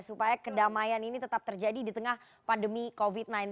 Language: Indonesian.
supaya kedamaian ini tetap terjadi di tengah pandemi covid sembilan belas